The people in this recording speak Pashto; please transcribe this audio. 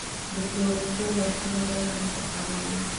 د پلورنځي نرخونه باید منصفانه وي.